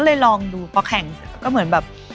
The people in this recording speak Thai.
ก็เลยลองดูเพราะแข่งเสร็จก็เหมือนแบบ